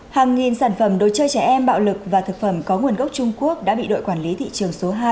hàng nghìn sản phẩm đồ chơi trẻ em bạo lực và thực phẩm có nguồn gốc trung quốc đã bị đội quản lý thị trường số hai